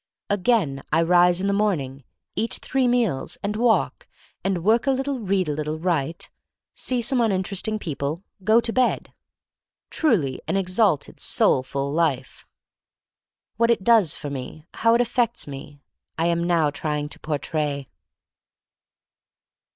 Again I rise in the morning; eat three meals; and walk; and work a little, read a little, write; see some un interesting people; go to bed. Truly an exalted, soulful life! What it does for me, how it affects me, I am now trying to portray.